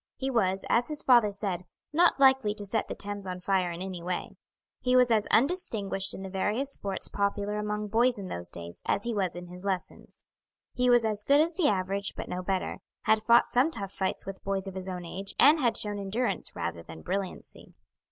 He was, as his father said, not likely to set the Thames on fire in any way. He was as undistinguished in the various sports popular among boys in those days as he was in his lessons. He was as good as the average, but no better; had fought some tough fights with boys of his own age, and had shown endurance rather than brilliancy.